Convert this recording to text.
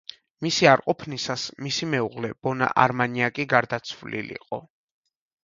მისი არ ყოფნისას მისი მეუღლე, ბონა არმანიაკი გარდაცვლილიყო.